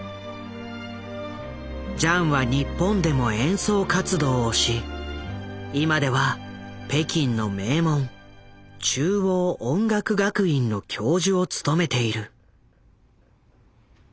ジャンは日本でも演奏活動をし今では北京の名門中央音楽学院の教授を務めている。